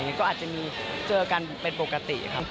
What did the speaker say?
ก็อาจจะมีเจอกันเป็นปกติครับ